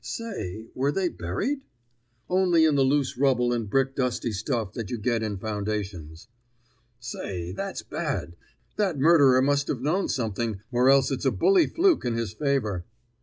"Say, were they buried?" "Only in the loose rubble and brick dusty stuff that you get in foundations." "Say, that's bad! That murderer must have known something, or else it's a bully fluke in his favor."